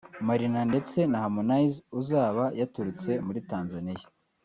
Marina ndetse na Harmonize uzaba yaturutse muri Tanzania